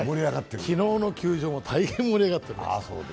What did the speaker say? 昨日の球場も大変盛り上がっています。